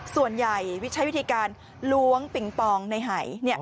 ส่วนใหญ่ใช้วิธีการล้วงปิงปองในหาย